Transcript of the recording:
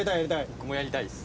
僕もやりたいです。